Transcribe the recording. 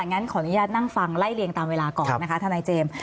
งั้นขออนุญาตนั่งฟังไล่เรียงตามเวลาก่อนนะคะทนายเจมส์